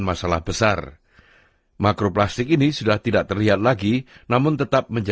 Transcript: bahwa kita memiliki plastik di mana mana